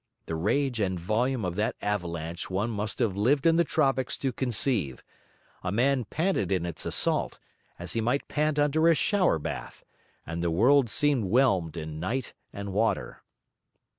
The rage and volume of that avalanche one must have lived in the tropics to conceive; a man panted in its assault, as he might pant under a shower bath; and the world seemed whelmed in night and water.